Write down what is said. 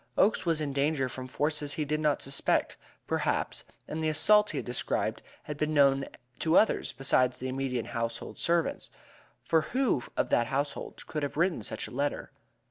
Oakes was in danger from forces he did not suspect, perhaps, and the assault he had described had been known to others besides the immediate household of servants. For who, of that household, could have written such a letter?